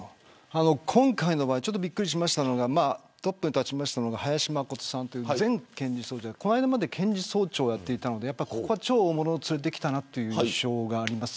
今回の場合びっくりしたのがトップに立ったのが林眞琴さんで前検事総長でこの間まで検事総長をやっていて超大物を連れてきたなという印象があります。